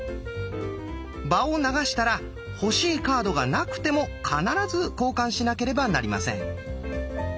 場を流したら欲しいカードがなくても必ず交換しなけければなりません。